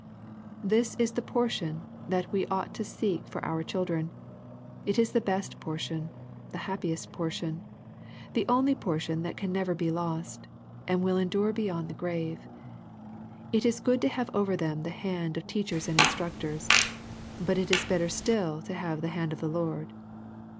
This is the portion that we ought to seek for our children. It is the best portion, the happiest portion, the only portion that can never be lost, and will endure be yond the grave. It is good to have over them " the hand" of teachers and instructors ; but it is better still to have " the hand of the Lord."